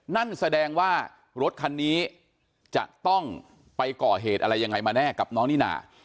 นั่นแสดงว่ารถคันนี้จะต้องไปก่อเหตุอะไรยังไงมาแน่กับน้องนิน่า